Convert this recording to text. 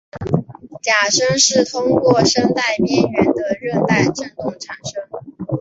假声是通过声带边缘的韧带振动产生。